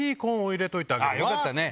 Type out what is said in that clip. よかったね！